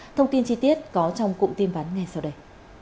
thông tin chi tiết có trong cụm tin vắn ngay sau đây